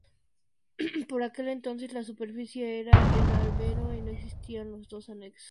Por aquel entonces la superficie era de albero y no existían los dos anexos.